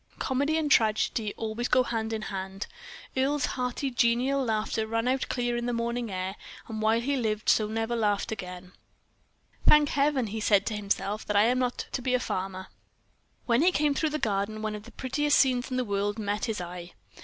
Comedy and tragedy always go hand in hand. Earle's hearty, genial laugh rang out clear on the morning air, and while he lived he never so laughed again. "Thank Heaven!" he said to himself, "that I am not to be a farmer." Then when he came through the garden, one of the prettiest scenes in the world met his eye.